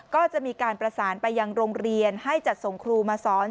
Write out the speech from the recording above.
ก็จะมีการประสานไปยังโรงเรียนให้จัดส่งครูมาสอน